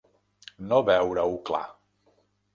No veure-ho clar.